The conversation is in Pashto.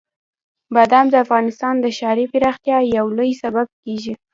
بادام د افغانستان د ښاري پراختیا یو لوی سبب کېږي.